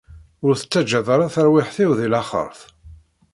Ur tettaǧǧaḍ ara tarwiḥt-iw di laxert.